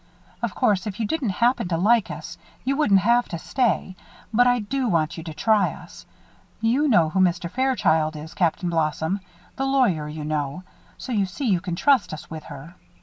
Of course, if you didn't happen to like us, you wouldn't have to stay; but I do want you to try us. You know who Mr. Fairchild is, Captain Blossom the lawyer, you know so you see you can trust us with her.